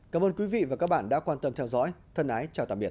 cảm ơn quý vị và các bạn đã quan tâm theo dõi thân ái chào tạm biệt